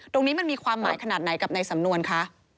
ตรงนี้มันมีความหมายขนาดไหนกับในสำนวนคะ